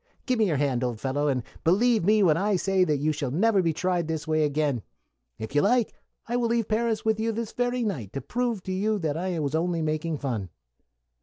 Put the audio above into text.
Give me your hand, old fellow, and believe me when I tell you that you shall never be tried this way again. If you like, I will leave Paris with you this very night, to prove to you that I was only making fun."